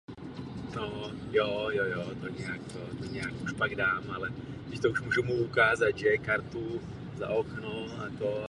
Souhrnně všechna nalezená patogenní agens mylně označili za původce cholery.